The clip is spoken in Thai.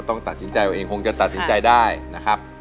ต้องตัดสินใจเอาเองคงจะตัดสินใจได้นะครับ